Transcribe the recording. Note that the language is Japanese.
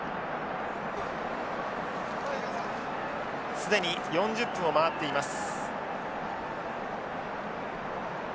既に４０分を回っています。